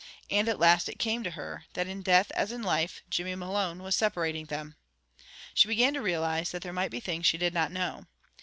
And at last it came to her, that in death as in life, Jimmy Malone was separating them. She began to realize that there might be things she did not know.